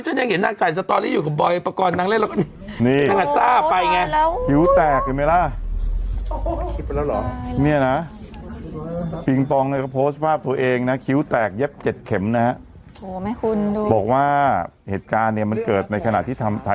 แซนก็พูดออกมาเลยว่าเรื่องนี้ต้องไม่ถามพี่กติกค่ะ